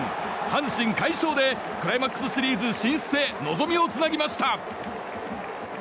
阪神、快勝でクライマックスシリーズ進出へ望みをつなぎました。